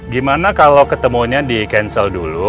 gimana kalau ketemunya di cancel dulu